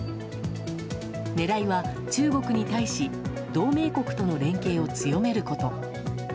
狙いは、中国に対し同盟国との連携を強めること。